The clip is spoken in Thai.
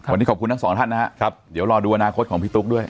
วันนี้ขอบคุณทั้งสองท่านนะครับเดี๋ยวรอดูอนาคตของพี่ตุ๊กด้วย